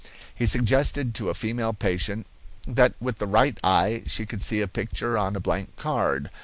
He suggested to a female patient that with the right eye she could see a picture on a blank card.